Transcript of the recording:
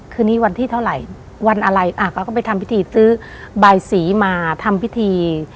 คืนนี้วันที่เท่าไหร่วันอะไรเขาก็ไปทำพิธีซื้อบายสีมาทำพิธี